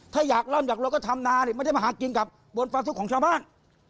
ถ้าอยากเริ่มอยากเริ่มก็ทำนาไม่ได้มาหากินกับบนฝ่ายศุษย์ของชาวบ้าน